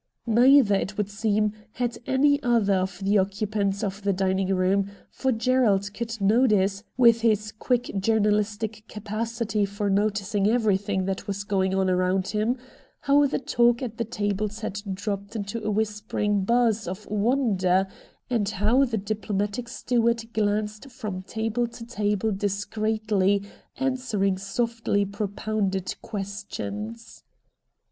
Neither, it would seem, had any other of the occupants of the dining THE MAN FROM AFAR 35 room, for Gerald could notice, Avith his quick j ournalistic capacity for noticing everything that was going on around him, how the talk at the tables had dropped into a whispering buzz of wonder, and how the diplomatic steward glanced from table to table discreetly answering softly propounded questions.